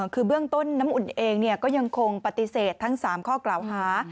คือเบื้องต้นน้ำอุ่นเองก็ยังคงปฏิเสธทั้ง๓ข้อกล่าวหา